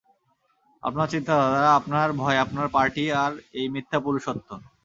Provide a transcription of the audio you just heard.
আপনার চিন্তাধারা, আপনার ভয় আপনার পার্টি, আর এই মিথ্যা পুরুষত্ব।